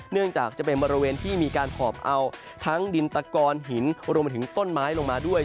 เนื่องจากจะเป็นบริเวณที่มีการหอบเอาทั้งดินตะกอนหินรวมไปถึงต้นไม้ลงมาด้วย